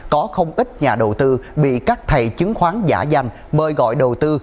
có không ít nhà đầu tư bị các thầy chứng khoán giả danh mời gọi đầu tư